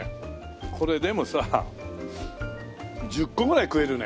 これでもさ１０個ぐらい食えるね！